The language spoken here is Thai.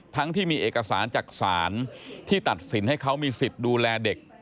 ที่มีเอกสารจากศาลที่ตัดสินให้เขามีสิทธิ์ดูแลเด็ก